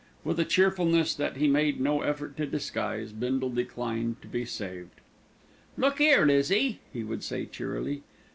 With a cheerfulness that he made no effort to disguise, Bindle declined to be saved. "Look 'ere, Lizzie," he would say cheerily.